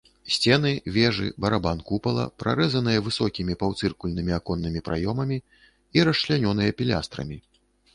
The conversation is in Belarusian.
Сцены, вежы, барабан купала прарэзаныя высокімі паўцыркульнымі аконнымі праёмамі і расчлянёныя пілястрамі.